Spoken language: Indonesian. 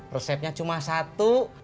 resepnya cuma satu